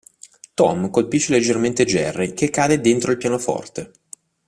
Tom colpisce leggermente Jerry che cade dentro il pianoforte.